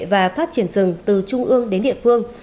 và phát triển rừng từ trung ương đến địa phương